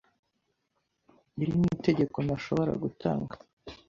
Iri ni itegeko ntashobora gutanga.